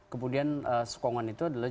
kemudian sokongan itu adalah